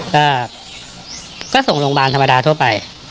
ก็ส่งโรงพยาบาลธรรมดาทั่วไป